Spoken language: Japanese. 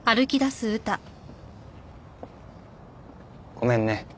ごめんね。